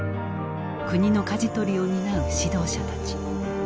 国のかじ取りを担う指導者たち。